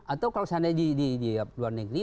atau kalau seandainya di luar negeri